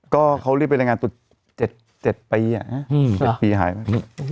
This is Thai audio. ก็เขาบริเวณลายงานจุด๗ปีหายไป